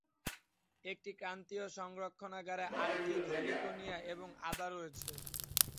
একটি ক্রান্তীয় সংরক্ষণাগারে orchid, heliconia এবং আদা রয়েছে।